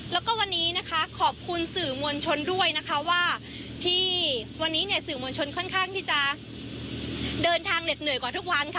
แล้วก็วันนี้นะคะขอบคุณสื่อมวลชนด้วยนะคะว่าที่วันนี้เนี่ยสื่อมวลชนค่อนข้างที่จะเดินทางเหน็ดเหนื่อยกว่าทุกวันค่ะ